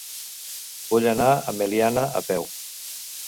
Vull anar a Meliana a peu.